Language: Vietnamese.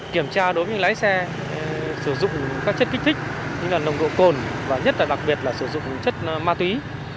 kiểm tra đối với lái xe sử dụng các chất kích thích như là nồng độ cồn và nhất là đặc biệt là sử dụng chất ma túy